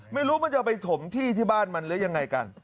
ไม่รู้มันจะไปถมที่ที่บ้านมันหรือยังไงกัน